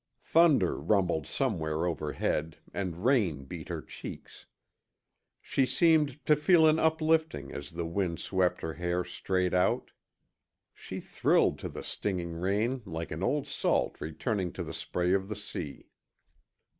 Thunder rumbled somewhere overhead and rain beat her cheeks. She seemed to feel an uplifting as the wind swept her hair straight out. She thrilled to the stinging rain like an old salt returning to the spray of the sea.